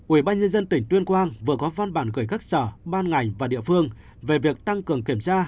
ủy ban nhân dân tỉnh tuyên quang vừa có phan bản gửi các sở ban ngành và địa phương về việc tăng cường kiểm tra